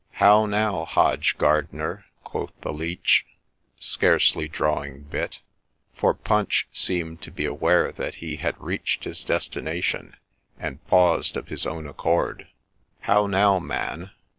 ' How now, Hodge Gardener ?' quoth the Leech, scarcely drawing bit ; for Punch seemed to be aware that he had reached his destination, and paused of his own accord ;' How now, man